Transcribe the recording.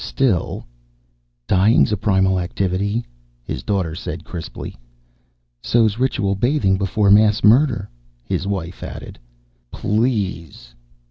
Still " "Dying's a primal activity," his daughter said crisply. "So's ritual bathing before mass murder," his wife added. "Please!